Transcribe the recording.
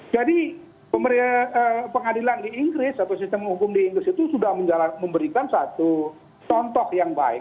jadi pengadilan di inggris atau sistem hukum di inggris itu sudah memberikan satu contoh yang baik